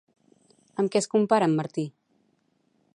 Amb què es compara en Martí?